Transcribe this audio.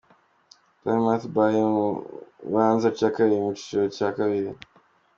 Plymouth bai mu ibanza ca kabiri mu cicaro ca kabiri.